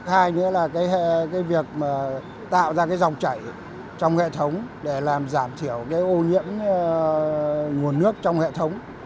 hai nữa là cái việc mà tạo ra cái dòng chảy trong hệ thống để làm giảm thiểu cái ô nhiễm nguồn nước trong hệ thống